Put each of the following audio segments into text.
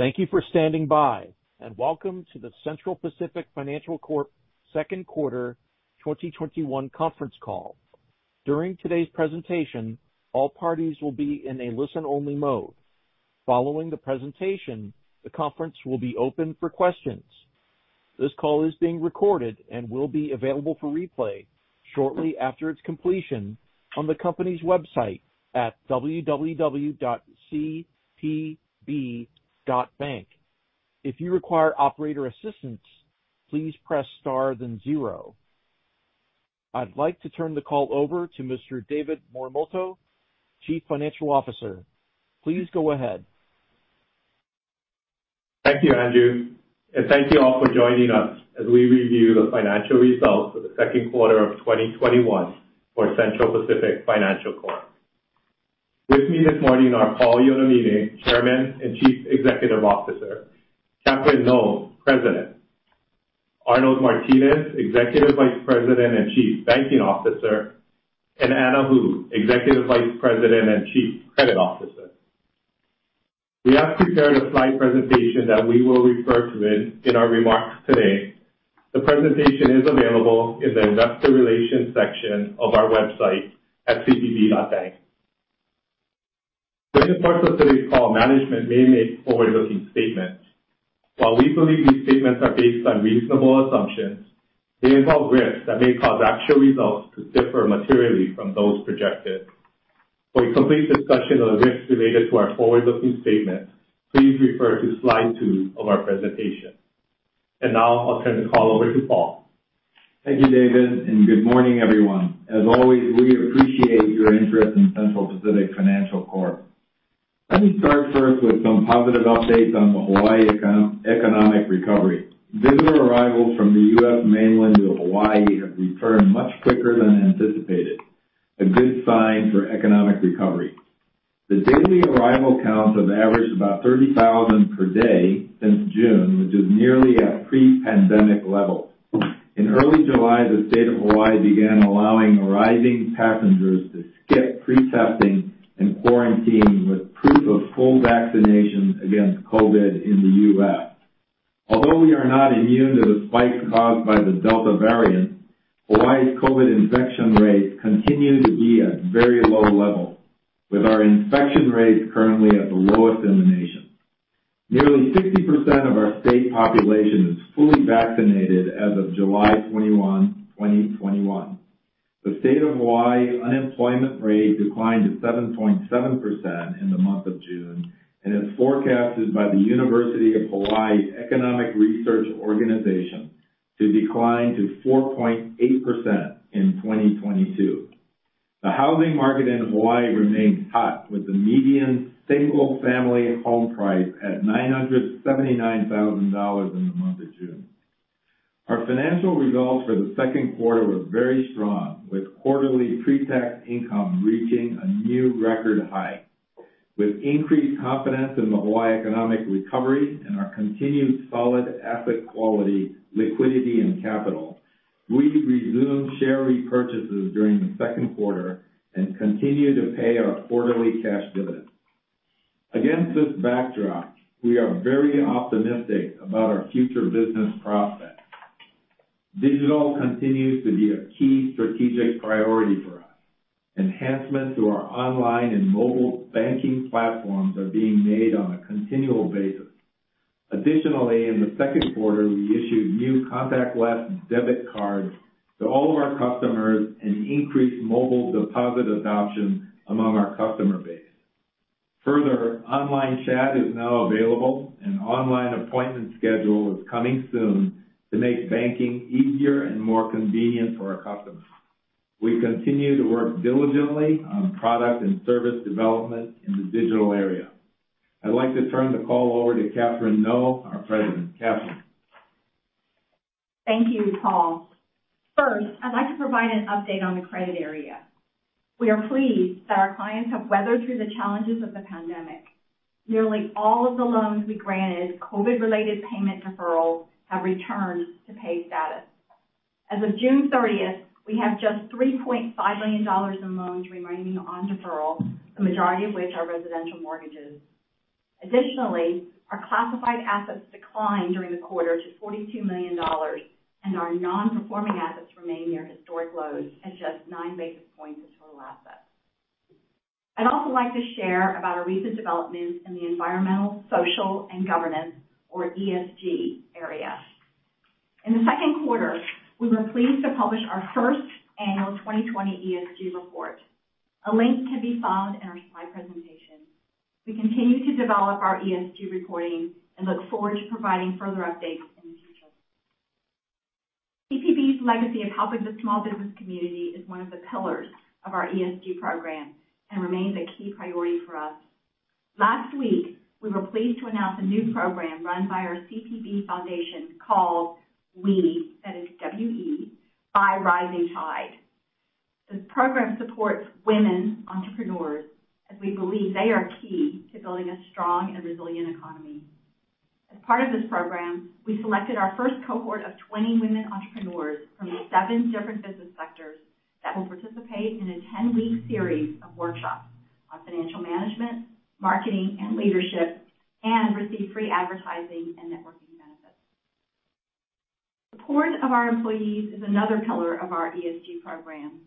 Thank you for standing by, and welcome to the Central Pacific Financial Corp. second quarter 2021 conference call. During today's presentation, all parties will be in a listen-only mode. Following the presentation, the conference will be open for questions. This call is being recorded and will be available for replay shortly after its completion on the company's website at www.cpb.bank. If you require operator assistance, please press star then 0. I'd like to turn the call over to Mr. David Morimoto, Chief Financial Officer. Please go ahead. Thank you, Andrew, and thank you all for joining us as we review the financial results for the second quarter of 2021 for Central Pacific Financial Corp. With me this morning are Paul Yonamine, Chairman and Chief Executive Officer, Catherine Ngo, President, Arnold Martines, Executive Vice President and Chief Banking Officer, and Anna Hu, Executive Vice President and Chief Credit Officer. We have prepared a slide presentation that we will refer to in our remarks today. The presentation is available in the investor relations section of our website at cpb.bank. During parts of today's call, management may make forward-looking statements. While we believe these statements are based on reasonable assumptions, they involve risks that may cause actual results to differ materially from those projected. For a complete discussion of the risks related to our forward-looking statements, please refer to slide two of our presentation. Now I'll turn the call over to Paul. Thank you, David, good morning, everyone. As always, we appreciate your interest in Central Pacific Financial Corp. Let me start first with some positive updates on the Hawaii economic recovery. Visitor arrivals from the U.S. mainland to Hawaii have returned much quicker than anticipated, a good sign for economic recovery. The daily arrival counts have averaged about 30,000 per day since June, which is nearly at pre-pandemic levels. In early July, the state of Hawaii began allowing arriving passengers to skip pre-testing and quarantining with proof of full vaccination against COVID in the U.S. Although we are not immune to the spikes caused by the Delta variant, Hawaii's COVID infection rates continue to be at very low levels, with our infection rates currently at the lowest in the nation. Nearly 60% of our state population is fully vaccinated as of July 21, 2021. The state of Hawaii unemployment rate declined to 7.7% in the month of June, and is forecasted by the University of Hawaii Economic Research Organization to decline to 4.8% in 2022. The housing market in Hawaii remains hot, with the median single-family home price at $979,000 in the month of June. Our financial results for the second quarter were very strong, with quarterly pre-tax income reaching a new record high. With increased confidence in the Hawaii economic recovery and our continued solid asset quality, liquidity, and capital, we resumed share repurchases during the second quarter and continue to pay our quarterly cash dividend. Against this backdrop, we are very optimistic about our future business prospects. Digital continues to be a key strategic priority for us. Enhancements to our online and mobile banking platforms are being made on a continual basis. Additionally, in the second quarter, we issued new contactless debit cards to all of our customers and increased mobile deposit adoption among our customer base. Further, online chat is now available, and online appointment schedule is coming soon to make banking easier and more convenient for our customers. We continue to work diligently on product and service development in the digital area. I'd like to turn the call over to Catherine Ngo, our President. Catherine. Thank you, Paul. First, I'd like to provide an update on the credit area. We are pleased that our clients have weathered through the challenges of the pandemic. Nearly all of the loans we granted COVID-related payment deferrals have returned to paid status. As of June 30th, we have just $3.5 million in loans remaining on deferral, the majority of which are residential mortgages. Additionally, our classified assets declined during the quarter to $42 million, and our non-performing assets remain near historic lows at just 9 basis points of total assets. I'd also like to share about a recent development in the environmental, social, and governance, or ESG, area. In the second quarter, we were pleased to publish our first annual 2020 ESG report. A link can be found in our slide presentation. We continue to develop our ESG reporting and look forward to providing further updates in the future. CPB's legacy of helping the small business community is one of the pillars of our ESG program and remains a key priority for us. Last week, we were pleased to announce a new program run by our CPB Foundation called WE, that is W-E, by Rising Tide. This program supports women entrepreneurs, as we believe they are key to building a strong and resilient economy. As part of this program, we selected our first cohort of 20 women entrepreneurs from seven different business sectors that will participate in a 10-week series of workshops on financial management, marketing, and leadership, and receive free advertising and networking benefits. Support of our employees is another pillar of our ESG program.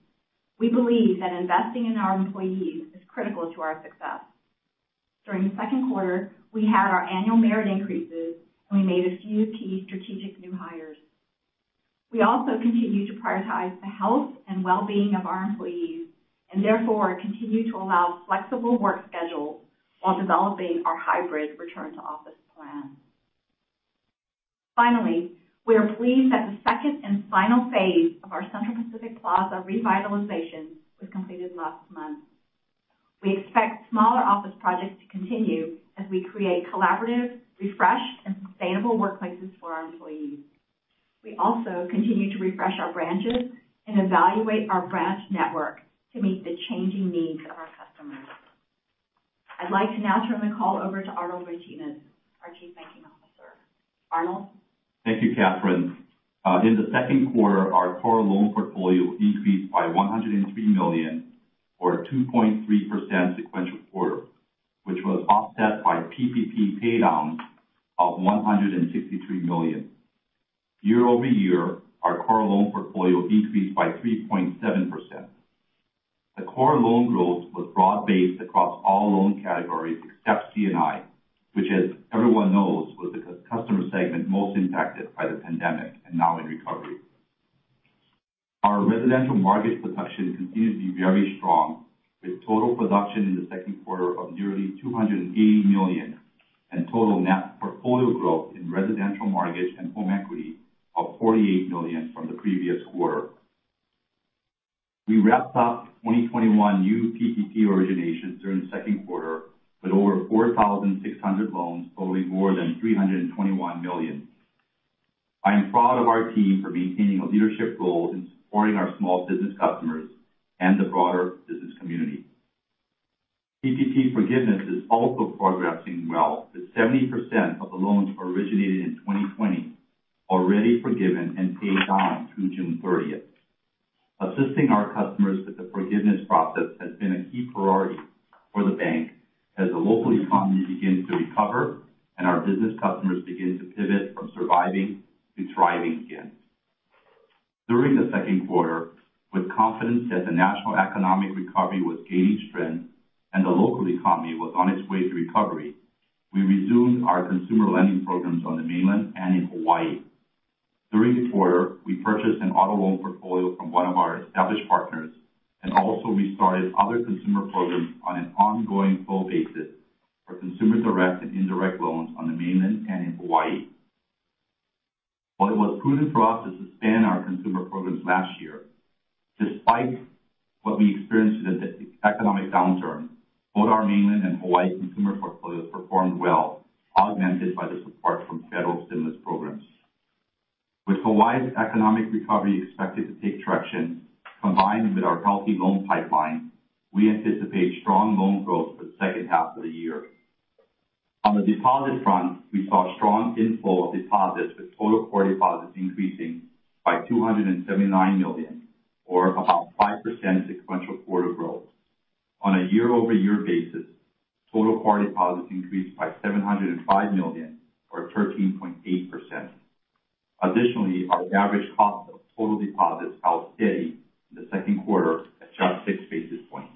We believe that investing in our employees is critical to our success. During the second quarter, we had our annual merit increases, and we made a few key strategic new hires. We also continue to prioritize the health and well-being of our employees, and therefore continue to allow flexible work schedules while developing our hybrid return-to-office plan. Finally, we are pleased that the second and final phase of our Central Pacific Plaza revitalization was completed last month. We expect smaller office projects to continue as we create collaborative, refreshed, and sustainable workplaces for our employees. We also continue to refresh our branches and evaluate our branch network to meet the changing needs of our customers. I'd like to now turn the call over to Arnold Martines, our Chief Banking Officer. Arnold? Thank you, Catherine. In the second quarter, our core loan portfolio increased by $103 million, or 2.3% sequential quarter, which was offset by PPP paydowns of $163 million. year-over-year, our core loan portfolio decreased by 3.7%. The core loan growth was broad-based across all loan categories except C&I, which as everyone knows, was the customer segment most impacted by the pandemic and now in recovery. Our residential mortgage production continued to be very strong, with total production in the second quarter of nearly $280 million, and total net portfolio growth in residential mortgage and home equity of $48 million from the previous quarter. We wrapped up 2021 new PPP originations during the second quarter with over 4,600 loans totaling more than $321 million. I am proud of our team for maintaining a leadership role in supporting our small business customers and the broader business community. PPP forgiveness is also progressing well, with 70% of the loans originated in 2020 already forgiven and paid down through June 30th. Assisting our customers with the forgiveness process has been a key priority for the bank as the local economy begins to recover and our business customers begin to pivot from surviving to thriving again. During the second quarter, with confidence that the national economic recovery was gaining strength and the local economy was on its way to recovery, we resumed our consumer lending programs on the mainland and in Hawaii. During the quarter, we purchased an auto loan portfolio from one of our established partners and also restarted other consumer programs on an ongoing full basis for consumers direct and indirect loans on the mainland and in Hawaii. While it was prudent for us to suspend our consumer programs last year, despite what we experienced with the economic downturn, both our mainland and Hawaii consumer portfolios performed well, augmented by the support from federal stimulus programs. With Hawaii's economic recovery expected to take traction, combined with our healthy loan pipeline, we anticipate strong loan growth for the second half of the year. On the deposit front, we saw strong inflow of deposits, with total core deposits increasing by $279 million, or about 5% sequential quarter growth. On a year-over-year basis, total core deposits increased by $705 million, or 13.8%. Additionally, our average cost of total deposits held steady in the second quarter at just 6 basis points.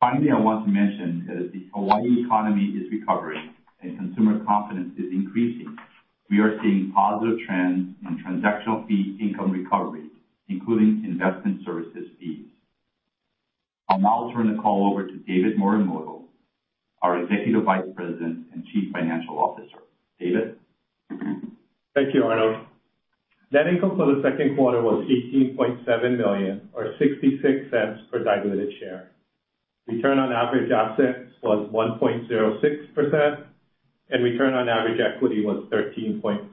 Finally, I want to mention that as the Hawaii economy is recovering and consumer confidence is increasing, we are seeing positive trends on transactional fee income recovery, including investment services fees. I'll now turn the call over to David Morimoto, our Executive Vice President and Chief Financial Officer. David? Thank you, Arnold. Net income for the second quarter was $18.7 million, or $0.66 per diluted share. Return on average assets was 1.06%, and return on average equity was 13.56%.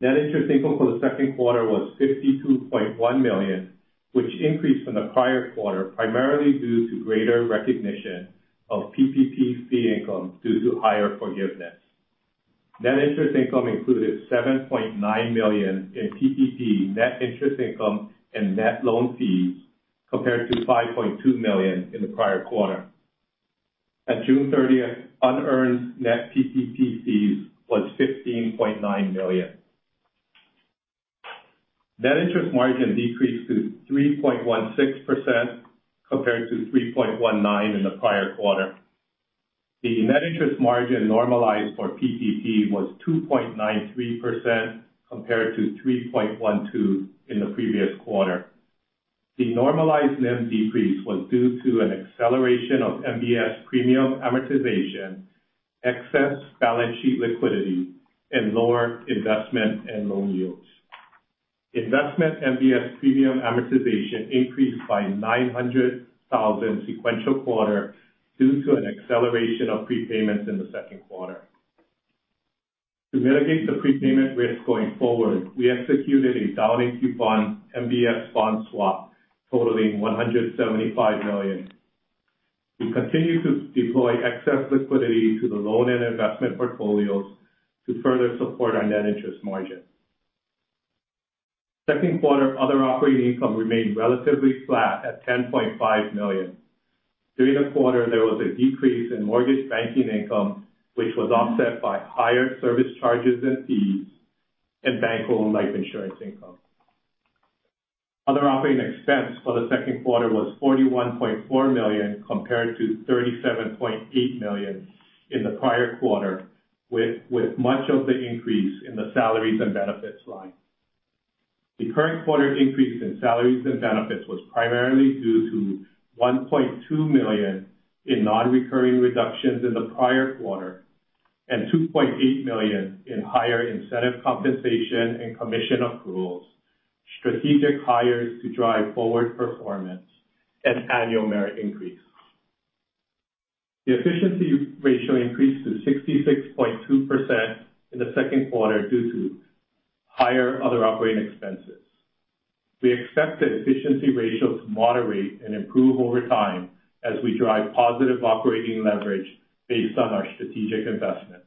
Net interest income for the second quarter was $52.1 million, which increased from the prior quarter, primarily due to greater recognition of PPP fee income due to higher forgiveness. Net interest income included $7.9 million in PPP net interest income and net loan fees, compared to $5.2 million in the prior quarter. At June 30th, unearned net PPP fees was $15.9 million. Net interest margin decreased to 3.16%, compared to 3.19% in the prior quarter. The net interest margin normalized for PPP was 2.93%, compared to 3.12% in the previous quarter. The normalized NIM decrease was due to an acceleration of MBS premium amortization, excess balance sheet liquidity, and lower investment and loan yields. Investment MBS premium amortization increased by $900,000 sequential quarter due to an acceleration of prepayments in the second quarter. To mitigate the prepayment risk going forward, we executed a floating coupon MBS bond swap totaling $175 million. We continue to deploy excess liquidity to the loan and investment portfolios to further support our net interest margin. Second quarter other operating income remained relatively flat at $10.5 million. During the quarter, there was a decrease in mortgage banking income, which was offset by higher service charges and fees and bank-owned life insurance income. Other operating expense for the second quarter was $41.4 million compared to $37.8 million in the prior quarter, with much of the increase in the salaries and benefits line. The current quarter increase in salaries and benefits was primarily due to $1.2 million in non-recurring reductions in the prior quarter and $2.8 million in higher incentive compensation and commission accruals, strategic hires to drive forward performance, and annual merit increase. The efficiency ratio increased to 66.2% in the second quarter due to higher other operating expenses. We expect the efficiency ratio to moderate and improve over time as we drive positive operating leverage based on our strategic investments.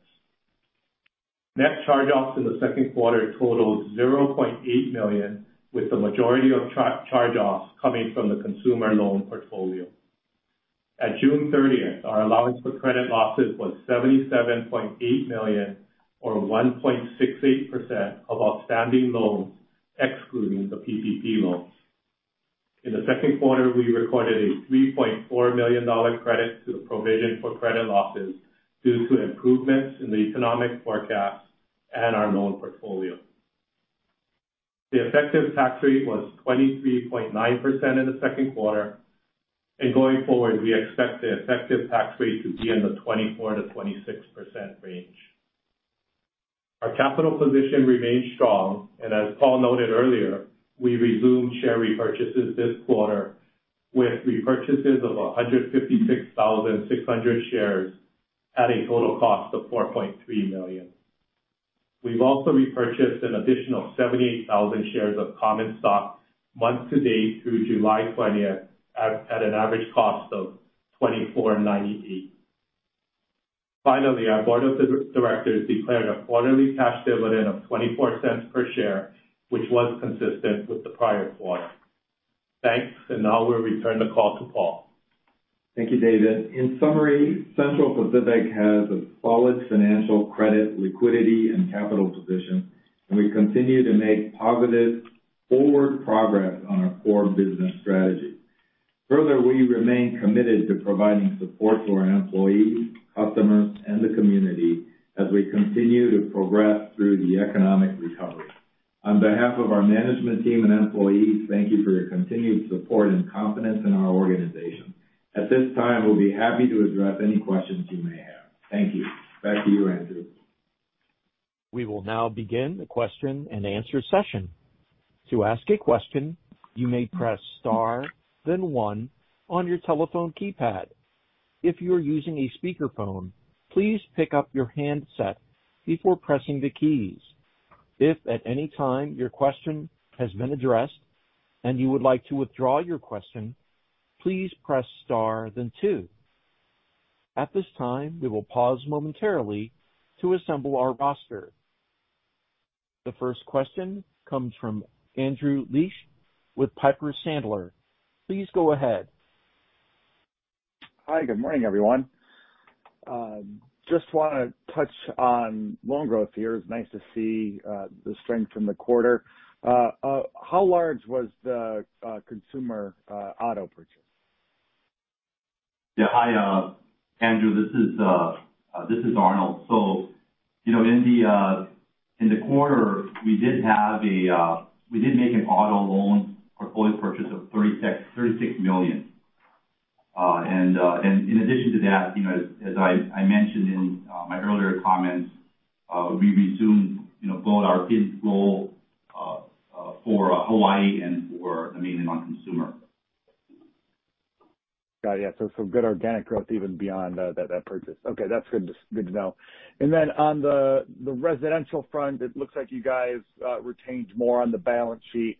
Net charge-offs in the second quarter totaled $0.8 million, with the majority of charge-offs coming from the consumer loan portfolio. At June 30th, our allowance for credit losses was $77.8 million or 1.68% of outstanding loans, excluding the PPP loans. In the second quarter, we recorded a $3.4 million credit to the provision for credit losses due to improvements in the economic forecast and our loan portfolio. The effective tax rate was 23.9% in the second quarter, and going forward, we expect the effective tax rate to be in the 24%-26% range. Our capital position remains strong, and as Paul noted earlier, we resumed share repurchases this quarter with repurchases of 156,600 shares at a total cost of $4.3 million. We've also repurchased an additional 78,000 shares of common stock month to date through July 20th at an average cost of $24.98. Finally, our board of directors declared a quarterly cash dividend of $0.24 per share, which was consistent with the prior quarter. Thanks. Now we return the call to Paul. Thank you, David. In summary, Central Pacific has a solid financial credit, liquidity, and capital position, and we continue to make positive forward progress on our core business strategy. Further, we remain committed to providing support to our employees, customers, and the community as we continue to progress through the economic recovery. On behalf of our management team and employees, thank you for your continued support and confidence in our organization. At this time, we'll be happy to address any questions you may have. Thank you. Back to you, Andrew. We will now begin the Q&A session. To ask a question, you may press star then one on your telephone keypad. If you are using a speakerphone, please pick up your handset before pressing the keys. If at any time your question has been addressed and you would like to withdraw your question, please press star then two. At this time, we will pause momentarily to assemble our roster. The first question comes from Andrew Liesch with Piper Sandler. Please go ahead. Hi. Good morning, everyone. Just want to touch on loan growth here. It's nice to see the strength in the quarter. How large was the consumer auto purchase? Yeah. Hi, Andrew. This is Arnold. In the quarter, we did make an auto loan portfolio purchase of $36 million. In addition to that, as I mentioned in my earlier comments, we resumed both our PIBS role for Hawaii and for mainland on consumer. Got it. Some good organic growth even beyond that purchase. Okay. That's good to know. On the residential front, it looks like you guys retained more on the balance sheet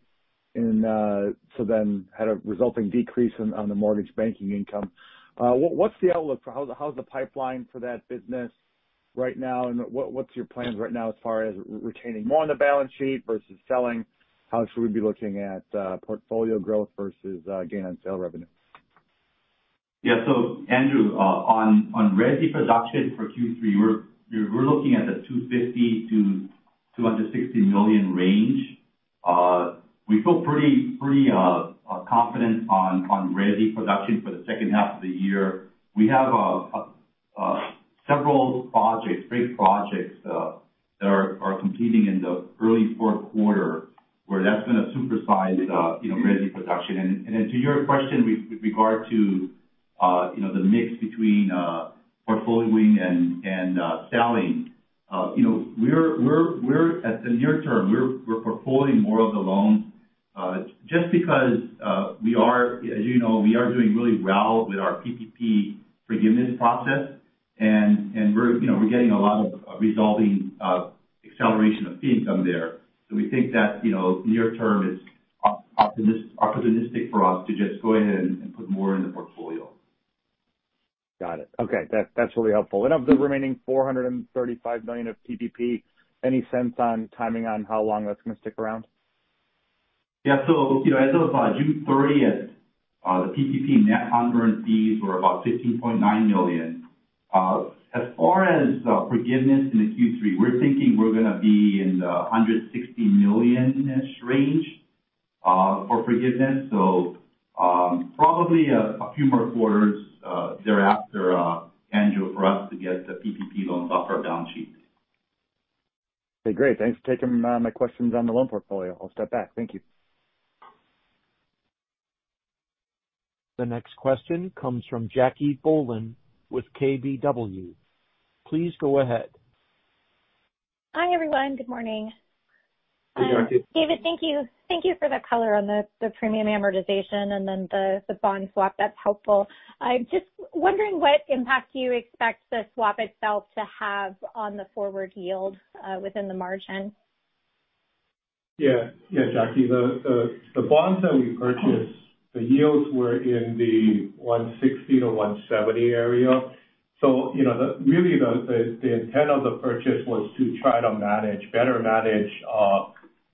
so then had a resulting decrease on the mortgage banking income. What's the outlook for how's the pipeline for that business right now, and what's your plans right now as far as retaining more on the balance sheet versus selling? How should we be looking at portfolio growth versus gain on sale revenue? Andrew, on resi production for Q3, we're looking at the $250 million-$260 million range. We feel pretty confident on resi production for the second half of the year. We have several projects, great projects, that are competing in the early fourth quarter where that's going to supersize resi production. To your question with regard to the mix between portfolioing and selling, at the near term, we're portfolioing more of the loans just because, as you know, we are doing really well with our PPP forgiveness process, and we're getting a lot of resulting acceleration of fee income there. We think that near term it's opportunistic for us to just go ahead and put more in the portfolio. Got it. Okay. That's really helpful. Of the remaining $435 million of PPP, any sense on timing on how long that's going to stick around? Yeah. As of June 30th, the PPP net unearned fees were about $15.9 million. As far as forgiveness into Q3, we're thinking we're going to be in the $160 million-ish range for forgiveness. Probably a few more quarters thereafter, Andrew, for us to get the PPP loans off our balance sheet. Okay, great. Thanks for taking my questions on the loan portfolio. I'll step back. Thank you. The next question comes from Jacque Bohlen with KBW. Please go ahead. Hi, everyone. Good morning. Hi, Jacque. David, thank you for the color on the premium amortization and then the bond swap. That's helpful. I'm just wondering what impact you expect the swap itself to have on the forward yield within the margin. Yeah, Jacque. The bonds that we purchased, the yields were in the 160-170 area. Really, the intent of the purchase was to try to better manage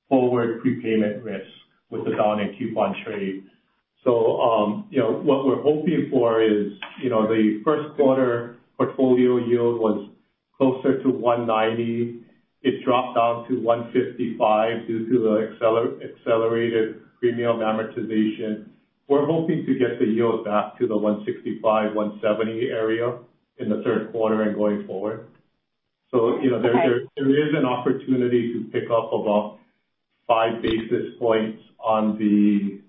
forward prepayment risk with the bond and coupon trade. What we're hoping for is the first quarter portfolio yield was closer to 190. It dropped down to 155 due to the accelerated premium amortization. We're hoping to get the yield back to the 165-170 area in the third quarter and going forward. Okay. There is an opportunity to pick up about 5 basis points on the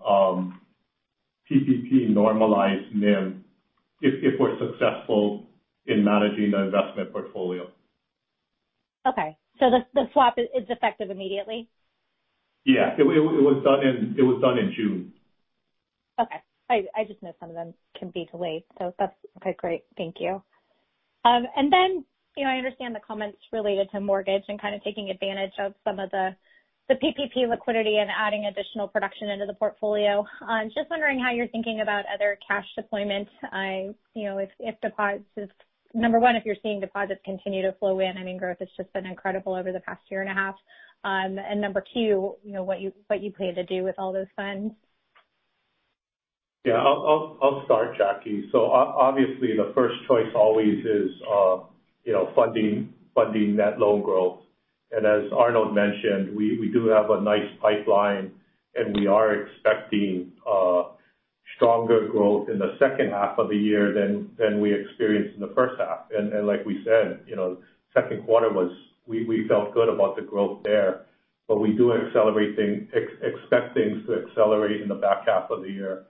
PPP normalized NIM, if we're successful in managing the investment portfolio. Okay, the swap is effective immediately? Yeah. It was done in June. Okay. I just know some of them can be delayed, so that's okay. Great. Thank you. I understand the comments related to mortgage and kind of taking advantage of some of the PPP liquidity and adding additional production into the portfolio. Just wondering how you're thinking about other cash deployment. Number one, if you're seeing deposits continue to flow in. I mean, growth has just been incredible over the past year and a half. Number two, what you plan to do with all those funds. Yeah, I'll start, Jacque. Obviously the first choice always is funding that loan growth. As Arnold mentioned, we do have a nice pipeline, and we are expecting stronger growth in the second half of the year than we experienced in the first half. Like we said, second quarter we felt good about the growth there. We do expect things to accelerate in the back half of the year.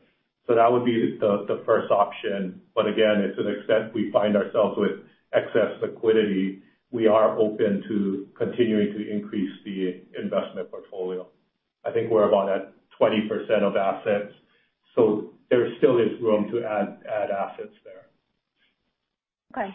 That would be the first option. Again, to the extent we find ourselves with excess liquidity, we are open to continuing to increase the investment portfolio. I think we're about at 20% of assets, so there still is room to add assets there. Okay.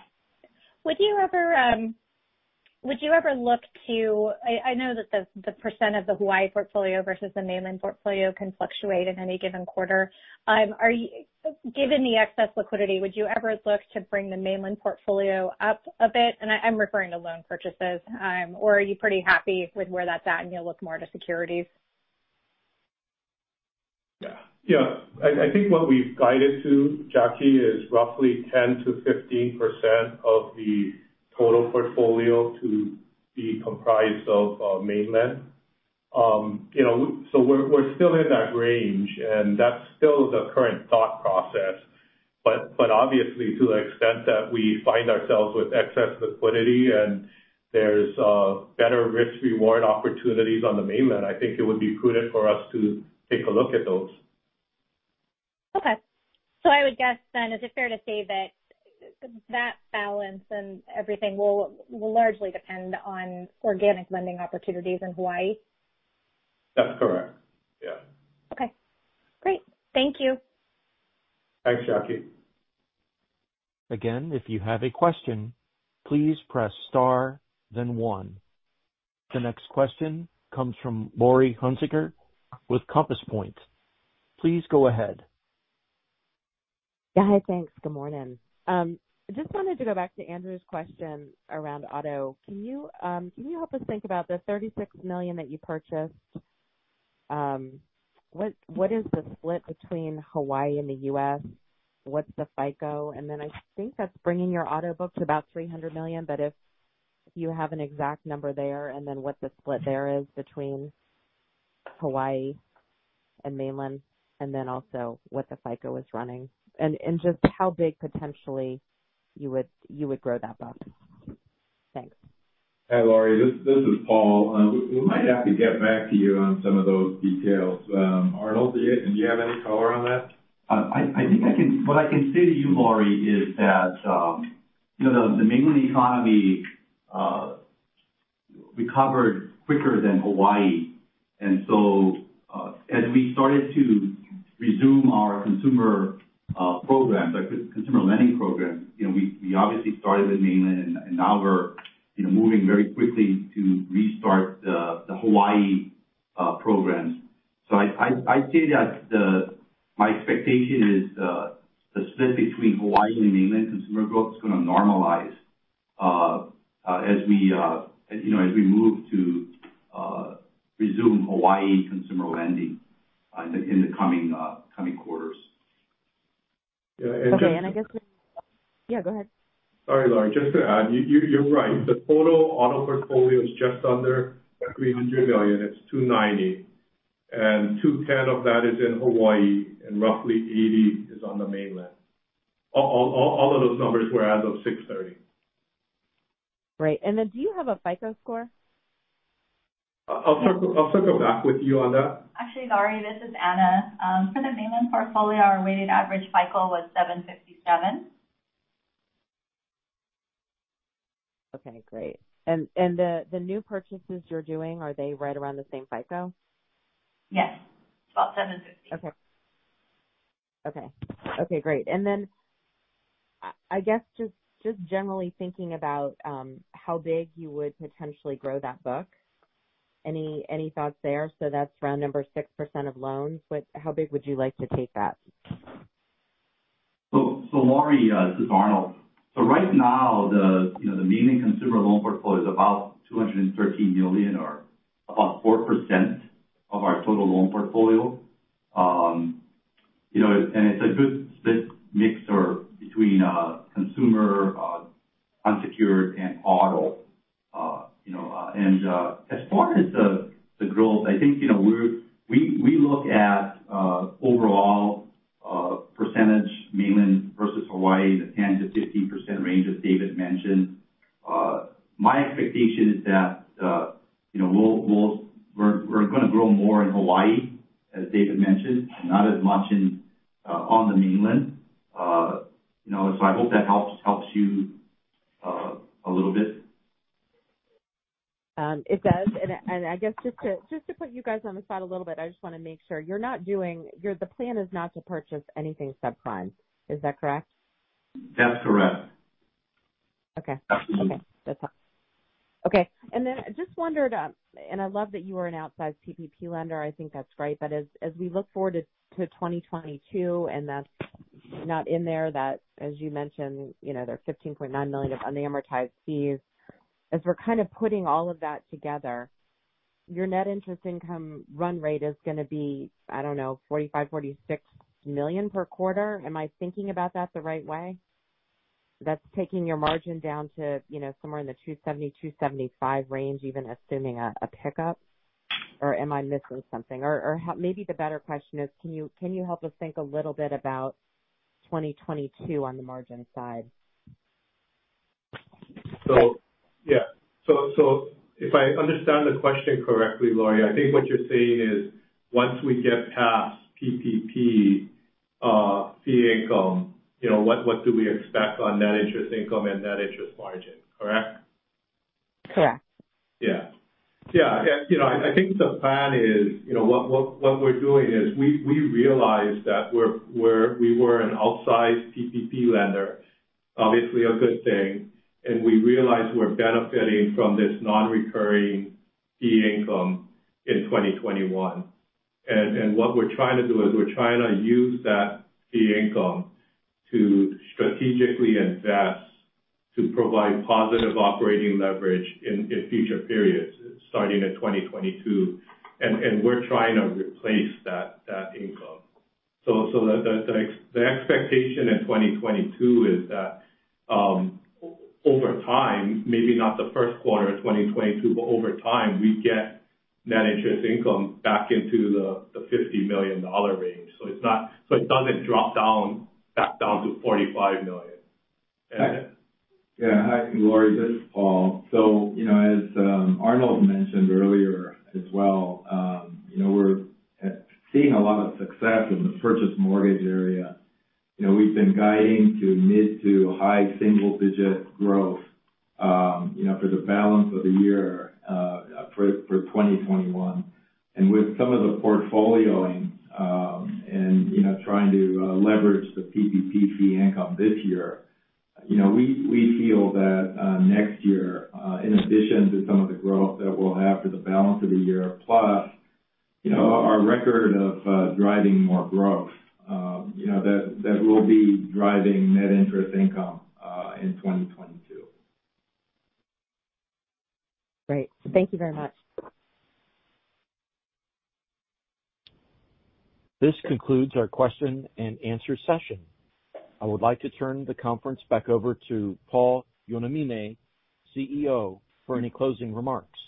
I know that the percent of the Hawaii portfolio versus the mainland portfolio can fluctuate in any given quarter. Given the excess liquidity, would you ever look to bring the mainland portfolio up a bit? I'm referring to loan purchases. Are you pretty happy with where that's at, and you'll look more to securities? Yeah. I think what we've guided to, Jacque, is roughly 10%-15% of the total portfolio to be comprised of mainland. We're still in that range, and that's still the current thought process. Obviously, to the extent that we find ourselves with excess liquidity and there's better risk reward opportunities on the mainland, I think it would be prudent for us to take a look at those. Okay. I would guess then, is it fair to say that that balance and everything will largely depend on organic lending opportunities in Hawaii? That's correct. Yeah. Okay, great. Thank you. Thanks, Jacque. If you have a question, please press star, then one. The next question comes from Laurie Hunsicker with Compass Point. Please go ahead. Hi, thanks. Good morning. I just wanted to go back to Andrew's question around auto. Can you help us think about the $36 million that you purchased? What is the split between Hawaii and the U.S.? What's the FICO? I think that's bringing your auto book to about $300 million, but if you have an exact number there, what the split there is between Hawaii and mainland, and also what the FICO is running. Just how big potentially you would grow that book. Thanks. Hi, Laurie, this is Paul. We might have to get back to you on some of those details. Arnold, do you have any color on that? What I can say to you, Laurie, is that the mainland economy recovered quicker than Hawaii. As we started to resume our consumer lending program, we obviously started with mainland, and now we're moving very quickly to restart the Hawaii programs. I'd say that my expectation is the split between Hawaii and mainland consumer growth is going to normalize as we move to resume Hawaii consumer lending in the coming quarters. Yeah. Okay, I guess Yeah, go ahead. Sorry, Laurie. Just to add, you're right. The total auto portfolio is just under $300 million. It's $290 million, and $210 million of that is in Hawaii, and roughly $80 million is on the mainland. All of those numbers were as of 6/30. Right. Then do you have a FICO score? I'll circle back with you on that. Actually, Laurie, this is Anna. For the mainland portfolio, our weighted average FICO was 757. Okay, great. The new purchases you're doing, are they right around the same FICO? Yes. About $750. Okay. Okay. Okay, great. Just generally thinking about how big you would potentially grow that book, any thoughts there? That's around number 6% of loans. How big would you like to take that? Laurie, this is Arnold. Right now, the mainland consumer loan portfolio is about $213 million, or about 4% of our total loan portfolio. It's a good split mixture between consumer unsecured and auto. As far as the growth, I think we look at overall percentage mainland versus Hawaii in the 10%-15% range, as David mentioned. My expectation is that we're going to grow more in Hawaii, as David mentioned, not as much on the mainland. I hope that helps you a little bit. It does. I guess just to put you guys on the spot a little bit, I just want to make sure, the plan is not to purchase anything subprime. Is that correct? That's correct. Okay. Absolutely. I just wondered, and I love that you are an outsized PPP lender, I think that's great. As we look forward to 2022, and that's not in there, that, as you mentioned, there are $15.9 million of unamortized fees. As we're kind of putting all of that together, your net interest income run rate is going to be, I don't know, $45 million-$46 million per quarter. Am I thinking about that the right way? That's taking your margin down to somewhere in the 2.70%-2.75% range, even assuming a pickup. Am I missing something? Maybe the better question is can you help us think a little bit about 2022 on the margin side? If I understand the question correctly, Laurie, I think what you're saying is once we get past PPP fee income, what do we expect on net interest income and net interest margin, correct? Correct. Yeah. I think the plan is, what we're doing is we realized that we were an outsized PPP lender, obviously a good thing, and we realized we're benefiting from this non-recurring fee income in 2021. What we're trying to do is we're trying to use that fee income to strategically invest to provide positive operating leverage in future periods, starting in 2022. We're trying to replace that income. The expectation in 2022 is that over time, maybe not the first quarter of 2022, but over time, we get net interest income back into the $50 million range. It doesn't drop back down to $45 million. Yeah. Hi, Laurie, this is Paul. As Arnold mentioned earlier as well, we're seeing a lot of success in the purchase mortgage area. We've been guiding to mid to high single-digit growth for the balance of the year for 2021. With some of the portfolioing and trying to leverage the PPP fee income this year, we feel that next year, in addition to some of the growth that we'll have for the balance of the year, plus our record of driving more growth, that will be driving net interest income in 2022. Great. Thank you very much. This concludes our Q&A session. I would like to turn the conference back over to Paul Yonamine, CEO, for any closing remarks.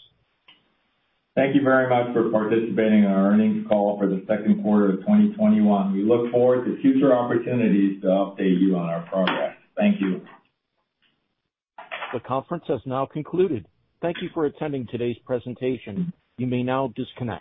Thank you very much for participating in our earnings call for the second quarter of 2021. We look forward to future opportunities to update you on our progress. Thank you. The conference has now concluded. Thank you for attending today's presentation. You may now disconnect.